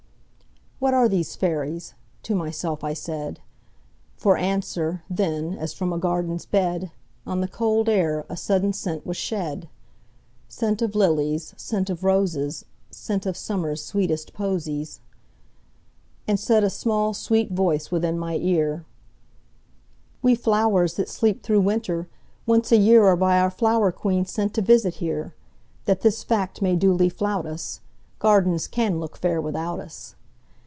"What are these fairies?" to myself I said; For answer, then, as from a garden's bed, On the cold air a sudden scent was shed,—Scent of lilies, scent of roses, Scent of Summer's sweetest posies. And said a small, sweet voice within my ear:"We flowers, that sleep through winter, once a yearAre by our flower queen sent to visit here, That this fact may duly flout us,—Gardens can look fair without us.